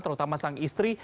terutama sang istri